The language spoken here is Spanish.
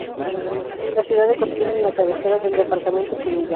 La ciudad de Cosquín es la cabecera del departamento Punilla.